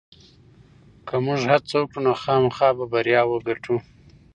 که موږ هڅه وکړو نو خامخا به بریا وګټو.